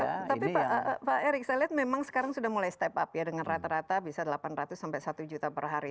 tapi pak erik saya lihat memang sekarang sudah mulai step up ya dengan rata rata bisa delapan ratus sampai satu juta per hari